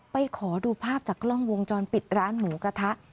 ขอดูภาพจากกล้องวงจรปิดร้านหมูกระทะ